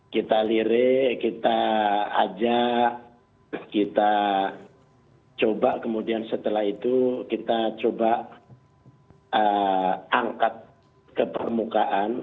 kita lirik kita ajak kita coba kemudian setelah itu kita coba angkat ke permukaan